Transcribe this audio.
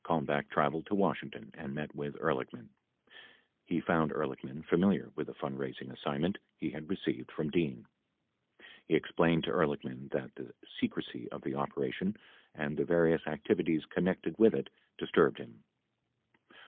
54 On July 26, Kalmbach travelled to Washington and met with Ehr lichman. He found Ehrlichman familiar with the fundraising assign ment he had received from Dean. He explained to Ehrlichman that the secrecy of the operation and the various activities connected with it disturbed him.